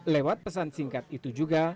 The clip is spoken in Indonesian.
lewat pesan singkat itu juga